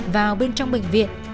vào bên trong bệnh viện